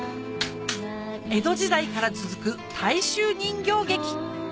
江戸時代から続く大衆人形劇